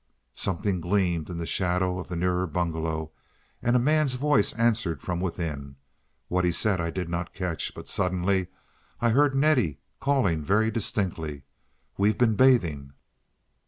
Something gleamed in the shadow of the nearer bungalow, and a man's voice answered from within. What he said I did not catch, but suddenly I heard Nettie calling very distinctly, "We've been bathing."